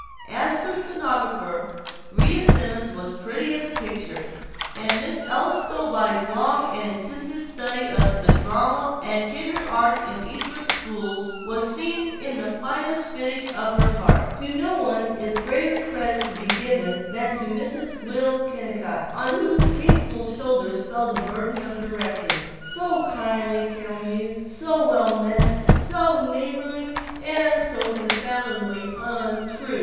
As the stenographer Rita Simons was pretty as a picture, and Miss Ella Stowbody's long and intensive study of the drama and kindred arts in Eastern schools was seen in the fine finish of her part. ... to no one is greater credit to be given than to Mrs. Will Kennicott on whose capable shoulders fell the burden of directing. "So kindly," Carol mused, "so well meant, so neighborly and so confoundedly untrue.